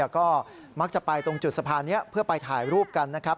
ก็มักจะไปตรงจุดสะพานนี้เพื่อไปถ่ายรูปกันนะครับ